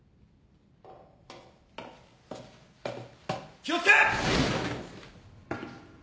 ・気を付け！